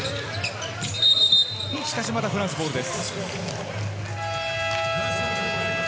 しかし、まだフランスボールです。